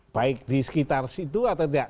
baik di sekitar situ atau tidak